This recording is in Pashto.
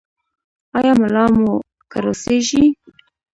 ایا ملا مو کړوسیږي؟